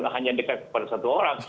hanya dekat pada satu orang